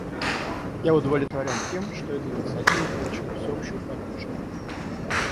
Я удовлетворен тем, что эта инициатива получила всеобщую поддержку.